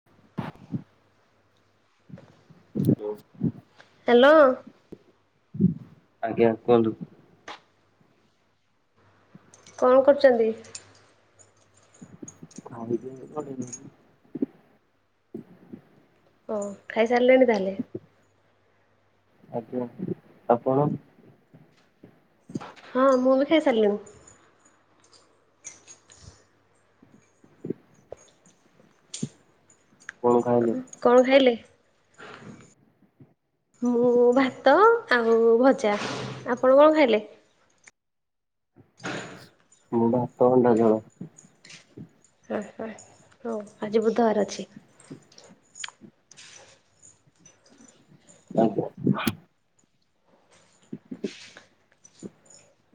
[inaudible] [unintelligible] Hello. ଆଜ୍ଞା କୁହନ୍ତୁ। କଣ କରୁଚନ୍ତି। ଖାଇକି। [unintelligible] ଓ ଖାଇସାରିଲେଣି ତାହେଲେ। ଆଜ୍ଞା ଆପଣ। ହଁ ମୁଁ ବି ଖାଇ ସାରିଲିଣିି। କଣ ଖାଇଲେ। କଣ ଖାଇଲି ମୁଁ ଭାତ ଆଉ ଭଜା ଆପଣ କଣ ଖାଇଲେ। ମୁଁ ଭାତ ଅଣ୍ଡା ଝୋଳ। ହୁଁ ହୁଁ ହୋଉ ଆଜି ବୁଧବାର ଅଛି। [unintelligible] ଆଜ୍ଞା। [inaudible]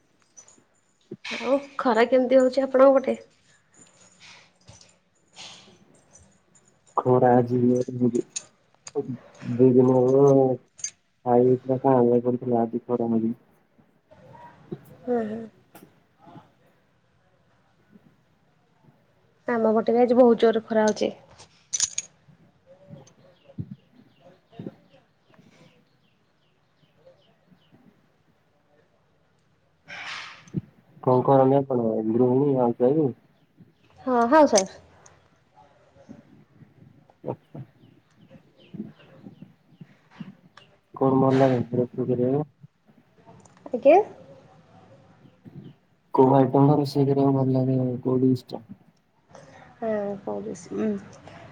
ଉଁ ଆଉ ଖରା କେମିତି ହୋଉଛି ଆପଣଙ୍କ ପଟେ। ଖରା ଆଜି [unintelligible] ହୋଉଚି। ହୋଉଚି ଉଁ ଦି ଦିନି ହବ ଆଉ [unintelligible] କାଁଳିଆ କରିଥିଲା ଆଜି ଖରା ହୋଉଚି। ହୁଁ ହୁଁ। ଆମ ପଟେ ବି ଆଜି ବୋହୁତ ଜୋରେ ଖରା ହୋଉଚି। କଁ କରନ୍ତି ଆପଣ ଗୃହିଣୀ ହାଉସୱାଇଫୀ। ହଁ ହାଉସୱାଇଫୀ। ଆଚ୍ଛା। କଣ ଭଲ ଲାଗେ ରୋଷେଇ କରିବାକୁ। ଆଜ୍ଞା। କୋଉ ଆଇଟମ୍ ଟା ରୋଷେଇ କରିବାକୁ ଭଲ ଲାଗେ କୋଉ [unintelligible] [unintelligible]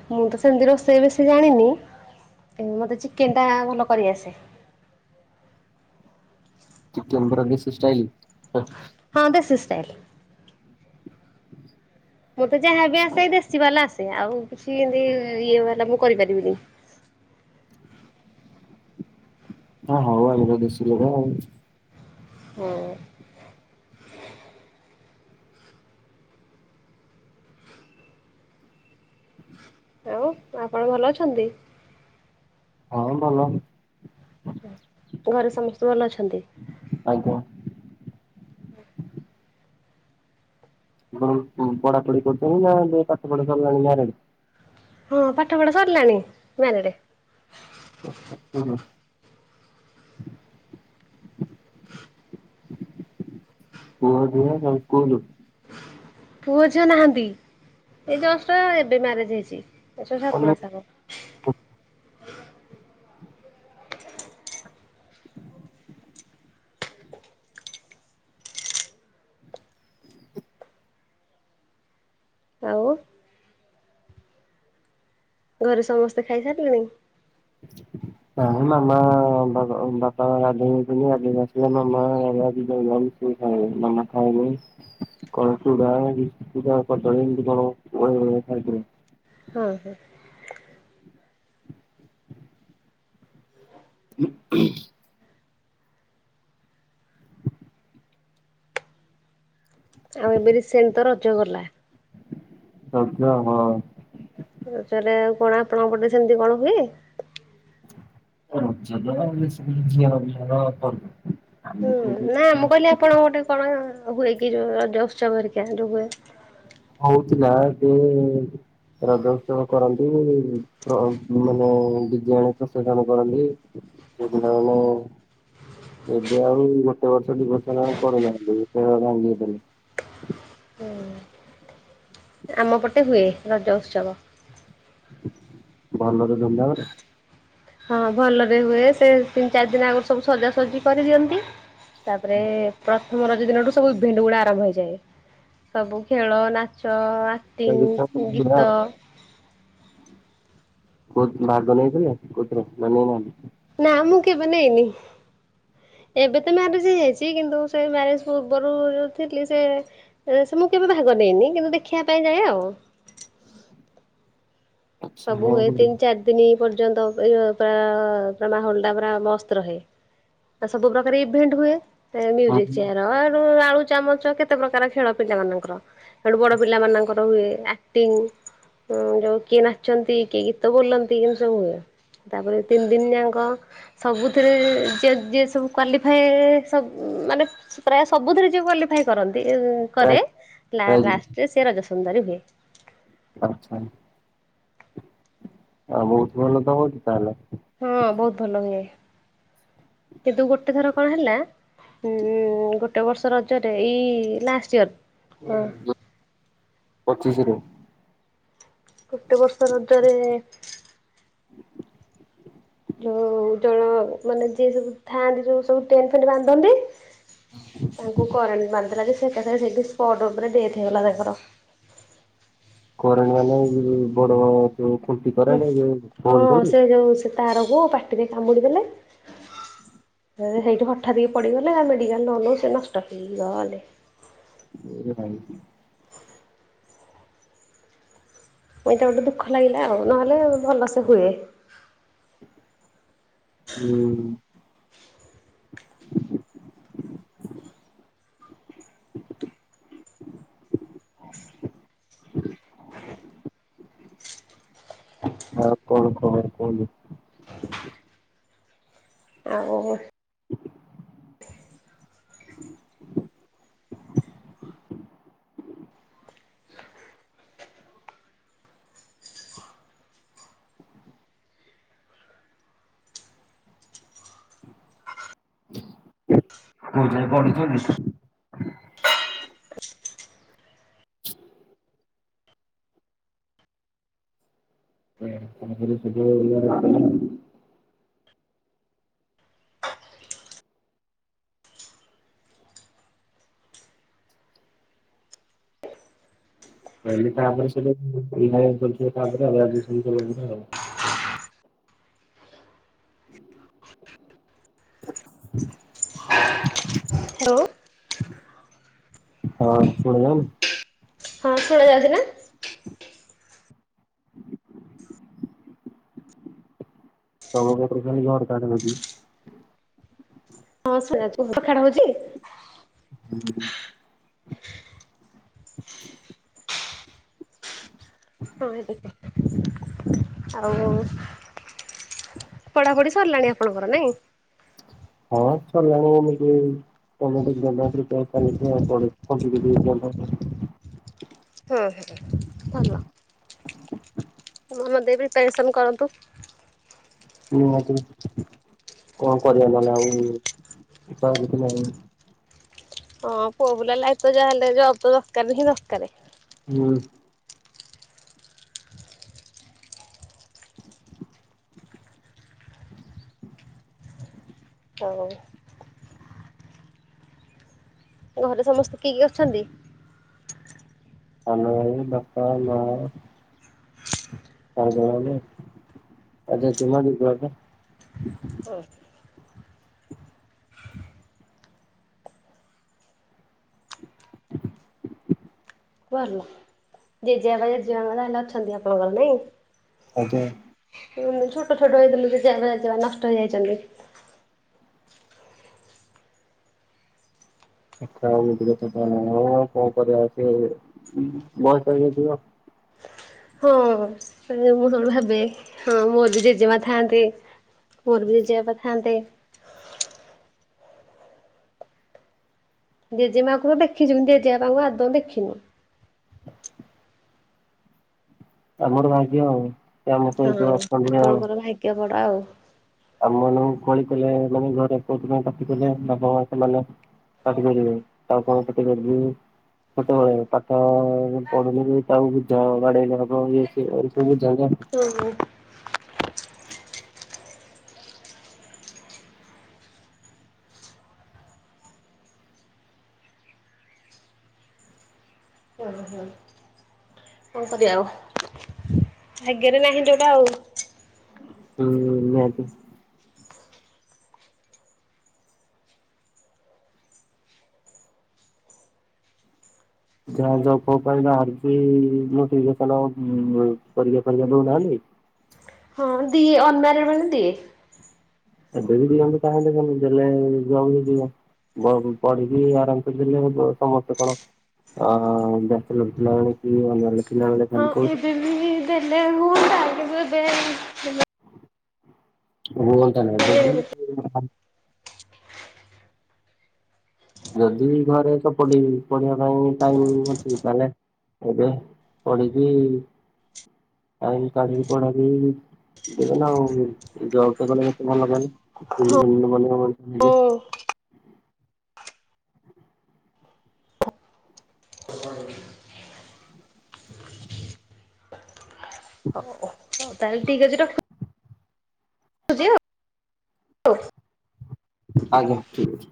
ମୁଁ ତ ସେମିତି ରୋଷେଇ ବେଶୀ ଜାଣିନି। କିନ୍ତୁ ମତେ ଚିକେନ ଟା ଭଲ କରିଆସେ। ଚିକେନ ପୁରା ଦେଶୀ ଷ୍ଟାଇଲ [unintelligible] ହଁ ଦେଶୀ ଷ୍ଟାଇଲ। ମୋତେ ଯାହାବି ଆସେ ଏଇ ଦେଶୀ ବାଲା ଆସେ ଆଉ କିଛି ଏନ୍ତି ଇଏ ବାଲା ମୁଁ କରିପାରିବିନି। ହଁ ହଉ ଆଉ [unintelligible] ଆଉ। ହୁଁ। ଆଉ ଆପଣ ଭଲ ଅଛନ୍ତି। ହଁ ଭଲ। ହୁଁ ଘରେ ସମସ୍ତେ ଭଲ ଅଛନ୍ତି। ଆଜ୍ଞା। [unintelligible] କଁ ପଢ଼ାପଢ଼ି କରୁଚନ୍ତି ନା [unintelligible] ପାଠ ପଢ଼ା ସରିଲାଣି ମ୍ୟାରେଜ୍। ହଁ ପାଠ ପଢା ସରିଲାଣି [unintelligible] ହୁଁ। [unintelligible] ପୁଅ ଝିଅ ନାହାନ୍ତି ଏ ଜଷ୍ଟ ଏବେ ମ୍ୟାରେଜ ହେଇଚି ଛ ସାତ ମାସ ହବ। ହ ହୁଁ ଆଉ ଘରେ ସମସ୍ତେ ଖାଇସାରିଲେଣି? [inaudible] ନ ମାମା ବା ବାପା ଗଧଉଚନ୍ତି। ଗାଧେଇକି ଆସିଲେ ମାମା ହେଲା ଯିବ [unintelligible] [unintelligible] କଣ ଚୁଡା ବିସ୍କୁଟ ଆଉ କଦଳୀ ଏମତି କଣ ଗୋଳେଇ ଗୁଳେଇ ଖାଇଥିଲା। ହଁ ହୁଁ। ହଁ ଆଉ ଏବେ ରିସେନ ତ ରଜ ଗଲା। [unintelligible] ହଁ। ରଜରେ ଆଉ କଣ ଆପଣଙ୍କ ପଟରେ ସେମିତି କଣ ହୁଏ? ରଜ ରେ [unintelligible] ହୁଁ ନା ମୁଁ କହିଲି ଆପଣଙ୍କ ଗୋଟେ କଣ ହୁଏ କି ଯୋଉ ର ଉତ୍ସବ ହେରିକା ଯୋଉ ହୁଏ? ହଉଥିଲା ଏବେ ରଜ ଉତ୍ସବ କରନ୍ତି ପ୍ରୋ ମାନେ ଡି ଜେ ଆଣିକି ପ୍ରୋସେସନ କରନ୍ତି। [unintelligible] ଏବେ ଆଉ ଗୋଟେ ବର୍ଷ ଦି ବର୍ଷ ହେଲା ଆଉ କରୁନାହାନ୍ତି [unintelligible] ଭାଙ୍ଗି ଦେଲେ। ହୁଁ ଆମ ପଟେ ହୁଏ ରଜ ଉତ୍ସବ। ଭଲରେ ଧୁମ ଧାମ ରେ? ହଁ ଭଲରେ ହୁଏ ସେ ତିନି ଚାରି ଦିନ ଆଗରୁ ସବୁ ସଜାସଜିଜି କରିଦିଅନ୍ତି। ତାପରେ ପ୍ର ଥମ ରଜ ଦିନଠୁ ସବୁ ଇଭେଣ୍ଟ ଗୁଡା ଆରମ୍ଭ ହେଇଯାଏ। ସବୁ ଖେଳ ନାଚ ଆକ୍ଟିଂ ଗୀତ କୋ ଭାଗ ନେଇଥିଲେ କୋଉଥିରେ ନା ନେଇନାହାନ୍ତି? ନାଁ ମୁଁ କେ ବନାଇନି। ଏବେ ତ ମ୍ୟାରେଜ ହେଇଯାଇଚି କିନ୍ତୁ ସେ ମ୍ୟାରେଜ ପୂର୍ବରୁ ଯଉ ଥିଲି ସେ ମୁଁ କେବେ ଭାଗ ନେଇନି କିନ୍ତୁ ଦେଖିବା ପାଇଁ ଯାଏ ଆଉ। ଆଚ୍ଛା ସବୁ ହଉ ହୁଏ ହଉ ତିନି ଚାରି ଦିନି ପର୍ଯ୍ୟନ୍ତ ପୁରା ପ ମାହଲ ଟା ପୁରା ମସ୍ତ ରହେ। ସବୁ ପ୍ରକାର ଇଭେଣ୍ଟ ହୁଏ। ସେ ହଁ ମିଉଜିକ ଚେୟାର ଆଳୁ ଆଳୁ ଚାମଚ କେତେ ପ୍ରକାର ଖେଳ ପିଲା ମାନଙ୍କର। ହେଡ଼ୁ ବଡ଼ ପିଲାମାନଙ୍କର ହୁଏ ଆକ୍ଟିଙ୍ଗ ଯେଉଁ କିଏ ନା ଚନ୍ତି କିଏ ଗୀତ ବୋଲନ୍ତି ଏମିତି ସବୁ ହୁଏ ତାପରେ ତିନି ଦିନ ଯାକ ସବୁଥିରେ ଯ ଯିଏ ସବୁ କ୍ଵାଲିଫାଏ ସବ ମାନେ ପ୍ରାୟ ସବୁଥିରେ ଜେ କ୍ଵାଲିଫାଏ କରନ୍ତି ପ୍ରାଇ କରେ ପ୍ରାଇଜ୍ ଲାଷ୍ଟରେ ସେ ରଜସ ସୁନ୍ଦରୀ ହୁଏ। ଆଚ୍ଛା। ଆଉ ବହୁତ ଭଲ ତ ହଉଚି ତାହେଲେ। ହଁ ବହୁତ ଭଲ ହୁଏ କିନ୍ତୁ ଗୋଟେ ଥର କଣ ହେଲା ହଁ ଗୋଟେ ବର୍ଷ ରଜରେ ଏଇ ଲାଷ୍ଟ ଇୟର କ ପଚିଶି ରେ? ଗୋଟେ ବର୍ଷ ରଜରେ [inaudible] ଯୋଉ ଯୋଉ, ମାନେ ଯିଏ ସବୁ ଥାଆନ୍ତି ସବୁ ଟେ ଟେଣ୍ଟ ଫେଣ୍ଟ ବାନ୍ଧନ୍ତି। ତାଙ୍କୁ କରେଣ୍ଟ ମାରିଦେଲା ଯେ ସେ ଏକାଥରେ ସ୍ପୋର୍ଟ ଉପରେ ଡେଥ୍ ହେଇଗଲା ତାଙ୍କର। କରେଣ୍ଟ ମାନେ ଉଁ ବଡୋ ଖୁଣ୍ଟି କରେଣ୍ଟ ଯୋଉ ଫୋନ୍ ଖୁଣ୍ଟି? ରହୁଛି। ତାରକୁ ପାଟିରେ କାମୁଡ଼ିଦେଲେ ସେଇଠୁ ହଠା ତିକି ପଡିଗଲେ, ଆ ମେଡିକାଲ ନୋଉ ନୋଉ ସେ ନଷ୍ଟ ହେଇଗଲେ। ଓ ଭାଇ। ଏଇଟା ଗୋଟେ ଦୁଃଖ ଲାଗିଲା। ଆଉ ନହେଲେ ଭଲ ସେ ହୁଏ। ହୁଁ। ଆଉ କଣ ଖବର କୁହନ୍ତୁ? ଆଉ [inaudible] [inaudible] କୋଉ ଯାକେ ପଢିଛନ୍ତି? [inaudible] [unintelligible] [unintelligible] [inaudible] ହ୍ୟାଲୋ ହଁ ଶୁଣିଲନ୍ ହଁ ଶୁଣା ଯାଉଚିନା? [unintelligible] ହଁ ସେୟା, ପାଖାଳ ହୋଉଛି? ହଁ। ହ ଟିକେ। ଆଉ ପଢାପଢି ସରିଲାଣି ଆପଣଙ୍କର ନାଇଁ? ହଁ ସରିଲାଣି ଏମିତି ଗୋର୍ମେଣ୍ଟ୍ ଏକ୍ଜାମ ପାଇଁ, ପ୍ରିପ୍ୟାରେସନ୍ ନିଜେ ଆଉ ପଢୁଛି କମ୍ପିଟେଟିଭ୍ ଏକ୍ଜାମ ପାଇଁ ହୁଁ, ଭଲ। ମନ ଦେଇକି ପ୍ରିପ୍ୟାରେସନ୍ କରନ୍ତୁ। ନିହାତୀ। କଣ କରିବା ମାନେ ଆଉ ଉପାୟ କିଛି ନାହିଁ। ହଁ ପୁଅ ପିଲା ଲାଇଫ୍ ତ ଯାହା ହେଲେ ଜବ୍ ତ ଦରକାର୍ ହିଁ ଦରକାର୍। ହୁଁ। ଆଉ ଘରେ ସମସ୍ତେ କିଏ କିଏ ଅଛନ୍ତି? ସାନ ଭାଇ, ବାପା, ମା। [unintelligible] ହଁ। ପୁଅ ଆଇଲା। ଜେଜେ ବାପା, ଜେଜେ ମା ମାନେ ଏବେ ଅଛନ୍ତି ଆପଣଙ୍କର ନାଇଁ? ଆଜ୍ଞା। ଛୋଟ ଛୋଟ, ହେଇଥିଲୁ ଜେଜେ ବାପା, ଜେଜେ ମା ନଷ୍ଟ ହେଇଯାଇଛନ୍ତି। ଆଛା [unintelligible] ହୋଉ ଆଉ କଣ କରିବା ଏବେ ବୟସ ହେଇଯାଇଥିବ। ହଁ। ସେଥିପାଇଁ ମୁଁ ସବୁବେଳେ ଭାବେ। ହଁ ମୋର ବି ଜେଜେ ମା ଥାନ୍ତେ। ମୋର ବି ଜେଜେ ବାପା ଥାନ୍ତେ। ଜେଜେ ମା କୁ ଦେଖିଛୁ, କିନ୍ତୁ ଜେଜେ ବାପା ଙ୍କୁ ଆଦୌ ଦେଖିନୁ। ଆମର ଭାଗ୍ୟ ଆଉ ସେ ଆମ ପାଇଁ ଜବ୍ କଲେ ଆଉ। ଟିକେ ବଡ଼ ଆଉ। ଆମ ମାନଙ୍କୁ କହିଥିଲେ ମାନେ ଘରେ [unintelligible] ପାଟିକଲେ ବାପ ମା ସେମାନେ ପାଟି କରିବେ ତ ଆଉ କଣ କଟି କରିବି ଛୋଟବେଳେ ପାଠ ପଢିଲେବି ତାକୁ ବୁଝା ବାଡେଇଲେ ହବ ଇଏ ସିଏ [unintelligible] ଉଁ ହଁ ଓହୋ କଣ କରିବା ଆଉ ଭଗରେ ନାହିଁ ଯୋଉଟା ଆଉ। ହୁଁ ଯ [unintelligible] ପରୀକ୍ଷା ଫରିକ୍ଷା ଦଉନାହାନ୍ତି ହଁ ଦିଏ ଅନମ୍ୟାରେଡ ବେଳେ ଦିଏ। ଏବେ ବି ଦିଅନ୍ତୁ କାହିଁକି ଦେବେନି ଦେଲେ [unintelligible] ଯିବ। ଭ ପଢିକି ଆରାମ ସେ ଦେଲେ ସମସ୍ତେ କଣ ଆଁ ବ୍ୟାଚେଲର ପିଲାମାନେ କି ଅନ୍ୟାନ୍ୟ ପିଲାମାନେ ଖାଲି କହୁଥି ମୁ ବି ଦେଲେ ହୁଅନ୍ତା କିନ୍ତୁ ଏବେ [unintelligible] ନାଇ ଦେବେନି [unintelligible] ଯଦି ଘରେ ସପୋଟିଂ ପଢିବା ପାଇଁ ଟାଇମ ଅଛି ତାହେଲେ ଏବେ ପଢ଼ିକି [unintelligible] ଦେବେ ନା ଆଉ ଏ ଜବ ଟା କଲେ କେତେ ଭଲ କହିଲେ ହଁ ହଉ [unintelligible] [inaudible] ଓ ଅଛ ତାହେଲେ ଠିକ୍ ଅଛି ରଖୁ ଆଜ୍ଞା ଠିକ୍ ଅଛି।